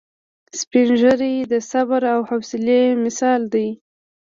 سپین ږیری د صبر او حوصلې مثال دی